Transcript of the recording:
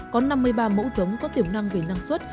có năm mươi ba mẫu giống có tiềm năng về năng suất